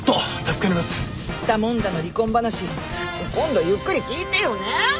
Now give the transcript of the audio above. すったもんだの離婚話今度ゆっくり聞いてよね。